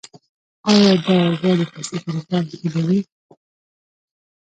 آیا دا اوبه د پوستکي لپاره ښې نه دي؟